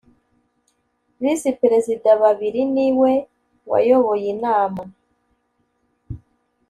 visi perezida babiri niwe wayoboye inama